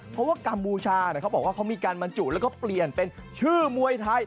เพราะว่ากัมพูชาเขาบอกว่าเขามีการบรรจุแล้วก็เปลี่ยนเป็นชื่อมวยไทย